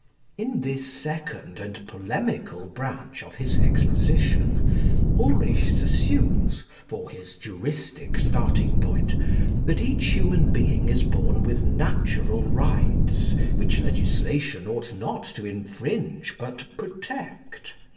In this second and polemical branch of his exposition, Ulrichs assumes, for his juristic starting point, that each human being is born with natural rights which legislation ought not to infringe but protect.